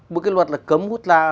một cái luật là cấm vứt rác